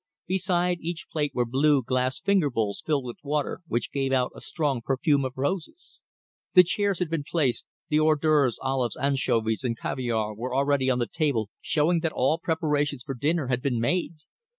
Beside each plate were blue glass finger bowls filled with water which gave out a strong perfume of roses. The chairs had been placed, and the hors d'oeuvres, olives, anchovies and caviare were already on the table, showing that all preparations for dinner had been made.